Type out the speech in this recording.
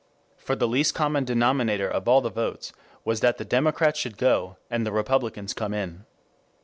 For the least common denominator of all the votes was that the Democrats should go and the Republicans come in.